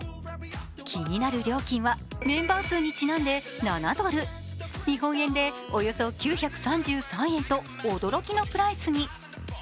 気になる料金は、メンバー数にちなんで７ドル、日本円でおよそ９３３円と驚きのプライスに。